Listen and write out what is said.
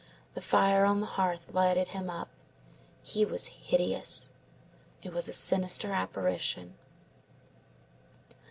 The fire on the hearth lighted him up. He was hideous. It was a sinister apparition.